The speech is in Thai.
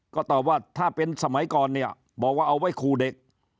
ก็ตอบว่าถ้าเป็นสมัยก่อนเนี่ยบอกว่าเอาไว้คู่เด็ก